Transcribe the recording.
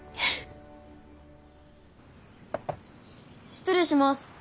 失礼します。